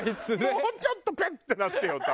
もうちょっとペッ！ってなってよとは思うよ。